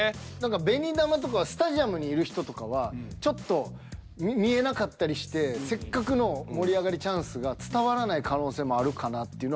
紅球とかはスタジアムにいる人とかはちょっと見えなかったりしてせっかくの盛り上がりチャンスが伝わらない可能性もあるかなっていうのは。